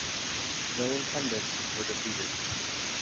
No incumbents were defeated.